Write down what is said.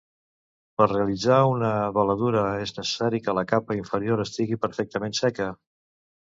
Per realitzar una veladura és necessari que la capa inferior estigui perfectament seca.